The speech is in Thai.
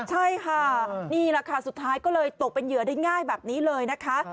ใช่ค่ะนี่แหละค่ะสุดท้ายก็เลยตกเป็นเหยื่อได้ง่ายแบบนี้เลยนะคะ